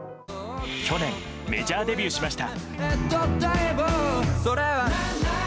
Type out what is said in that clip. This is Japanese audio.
去年、メジャーデビューしました。